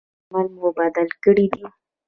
ایا درمل مو بدل کړي دي؟